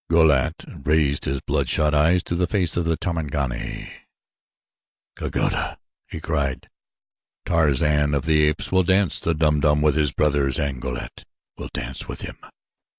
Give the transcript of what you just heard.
Go lat raised his bloodshot eyes to the face of the Tarmangani. "Kagoda!" he cried. "Tarzan of the Apes will dance the Dum Dum with his brothers and Go lat will dance with him!"